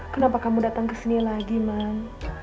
kenapa kamu datang kesini lagi man